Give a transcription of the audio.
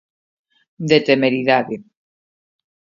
De temeridade.